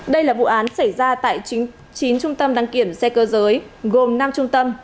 đây là vụ án xảy ra tại chín trung tâm đăng kiểm xe cơ giới gồm năm trung tâm